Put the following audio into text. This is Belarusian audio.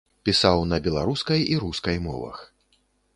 Пісаў на беларускай і рускай мовах.